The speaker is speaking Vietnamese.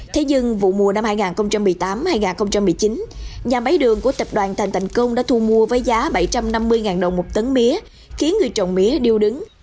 thế nhưng vụ mùa năm hai nghìn một mươi tám hai nghìn một mươi chín nhà máy đường của tập đoàn thành thành công đã thu mua với giá bảy trăm năm mươi đồng một tấn mía khiến người trồng mía điêu đứng